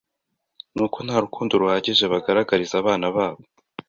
nuko nta rukundo ruhagije bagaragariza abana babo